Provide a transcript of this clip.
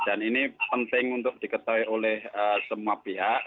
dan ini penting untuk diketahui oleh semua pihak